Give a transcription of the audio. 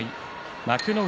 幕内